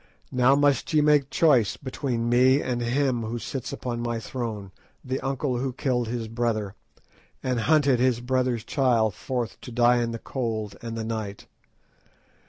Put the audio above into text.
Now must ye make choice between me and him who sits upon my throne, the uncle who killed his brother, and hunted his brother's child forth to die in the cold and the night.